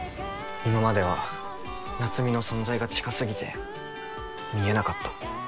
今までは夏海の存在が近過ぎて見えなかった。